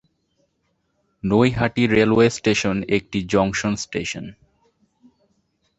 Naihati railway station একটি junction station.